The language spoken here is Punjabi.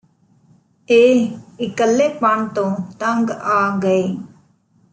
ਇਹ ਇਕੱਲੇਪਣ ਤੋਂ ਤੰਗ ਆ ਗਏ